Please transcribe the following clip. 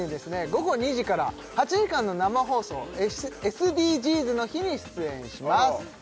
午後２時から８時間の生放送「ＳＤＧｓの日」に出演します